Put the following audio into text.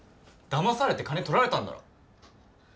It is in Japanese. だまされて金取られたんだろ？